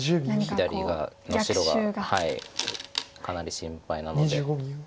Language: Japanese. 左側の白がかなり心配なので。